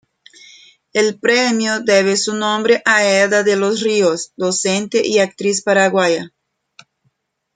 El premio debe su nombre a Edda de los Ríos, docente y actriz paraguaya.